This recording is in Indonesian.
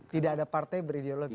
tidak ada partai berideologi